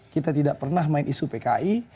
kita tidak pernah main isu pki